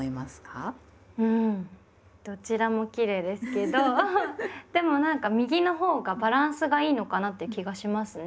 んどちらもきれいですけどでもなんか右のほうがバランスがいいのかなって気がしますね。